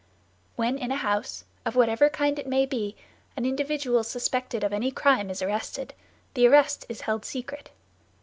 When in a house, of whatever kind it may be, an individual suspected of any crime is arrested, the arrest is held secret.